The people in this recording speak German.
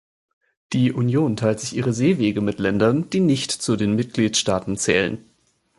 Die Union teilt sich ihre Seewege mit Ländern, die nicht zu den Mitgliedstaaten zählen.